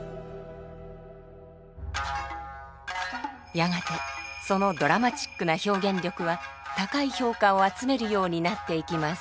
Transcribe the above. やがてそのドラマチックな表現力は高い評価を集めるようになっていきます。